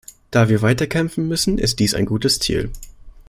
Da wir weiterkämpfen müssen, ist dies ein gutes Ziel.